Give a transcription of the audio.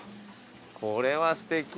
これはすてき。